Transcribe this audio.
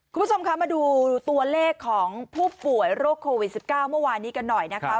คุณผู้ชมคะมาดูตัวเลขของผู้ป่วยโรคโควิด๑๙เมื่อวานนี้กันหน่อยนะคะ